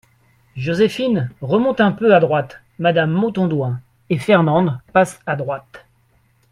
Joséphine remonte un peu à droite, madame Montaudoin et Fernande passent à droite.